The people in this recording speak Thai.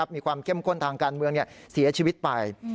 มีความเข้มข้นทางการเมืองเสียชีวิตไป